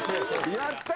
やったー！